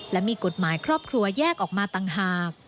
และมีกฎหมายครอบครัวแยกออกมาต่างหาก